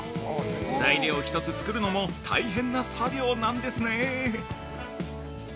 材料一つ作るのも大変な作業なんですね。